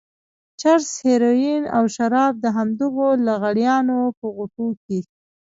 چرس، هيروين او شراب د همدغو لغړیانو په غوټو کې.